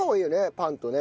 パンとね。